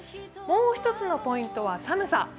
もう一つのポイントは寒さ。